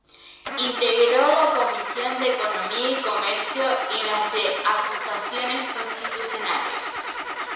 Integró la Comisión de Economía y Comercio y la de Acusaciones Constitucionales.